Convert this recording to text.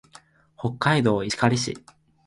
北海道石狩市